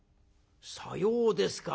「さようですか。